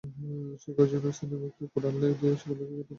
সেখানে কয়েকজন স্থানীয় ব্যক্তি কুড়াল দিয়ে সেগুলো কেটে তোলার চেষ্টা করছেন।